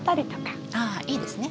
ああいいですね。